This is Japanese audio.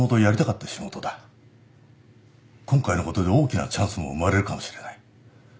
今回のことで大きなチャンスも生まれるかもしれない。